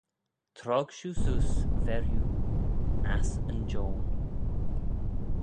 Trog shiu seose, verriu, ass yn joan!